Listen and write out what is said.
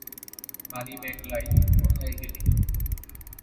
মানিমেগলাই, কোথায় গেলি?